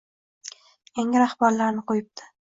yangi rahbarlarini qo‘yibdi.